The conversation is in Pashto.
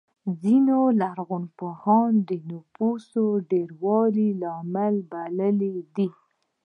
ځینو لرغونپوهانو د نفوسو ډېروالی لامل بللی دی.